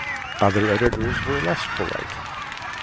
Other editors were less polite.